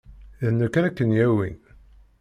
D nekk ara ken-yawin.